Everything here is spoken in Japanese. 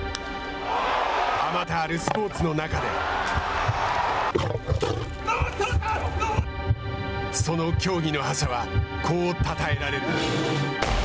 あまたあるスポーツの中でその競技の覇者はこうたたえられる。